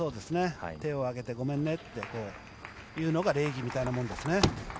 手を上げてごめんねって言うのが礼儀みたいなもんですね。